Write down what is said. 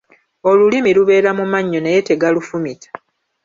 Olulimi lubeera mu mannyo naye tegalufumita.